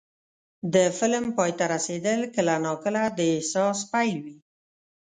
د فلم پای ته رسېدل کله ناکله د احساس پیل وي.